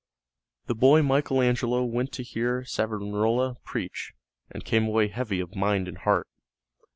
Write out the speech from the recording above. The boy Michael Angelo went to hear Savonarola preach, and came away heavy of mind and heart.